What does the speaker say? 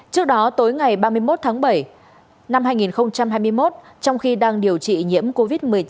trước đó tối ngày ba mươi một tháng bảy năm hai nghìn hai mươi một trong khi đang điều trị nhiễm covid một mươi chín